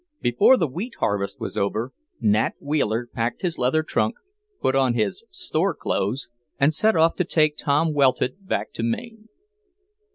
Before the wheat harvest was over, Nat Wheeler packed his leather trunk, put on his "store clothes," and set off to take Tom Welted back to Maine.